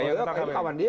ya kawan kawan dia